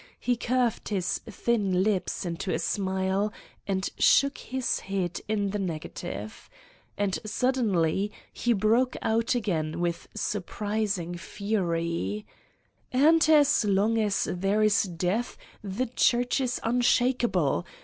He curved his thin lips into a smile and shook his head in the negative. And suddenly he broke out again with surprising fury : "And as long as there is death, the Church is unshakable!